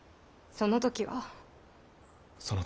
その時は。